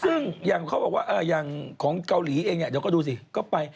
ซึ่งอย่างเขาบอกว่าอย่างของเกาหลีเองเนี่ยเดี๋ยวก็ดูสิก็ไป